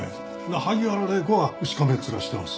萩原礼子はしかめっ面してます。